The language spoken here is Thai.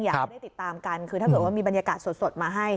อยากให้ได้ติดตามกันคือถ้าเกิดว่ามีบรรยากาศสดมาให้